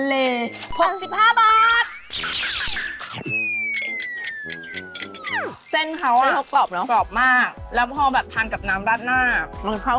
เมืองต้องให้เป็นด้านหน้าเส้นกรอบ